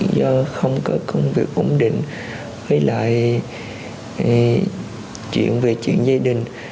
do không có công việc ổn định hay là chuyện về chuyện gia đình